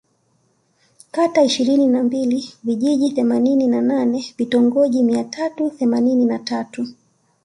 Kata ishirini na mbili Vijiji themanini na nane Vitongoji mia tatu themanini na tatu